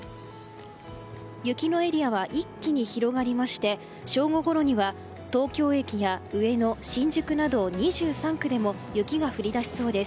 雪のエリアは一気に広がりまして正午ごろには東京駅や上野、新宿など２３区でも雪が降り出しそうです。